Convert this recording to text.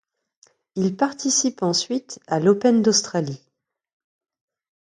Il participe ensuite à l'Open d'Australie.